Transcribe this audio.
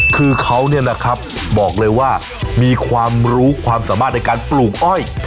คือเขาเนี่ยนะครับบอกเลยว่ามีความรู้ความสามารถในการปลูกอ้อย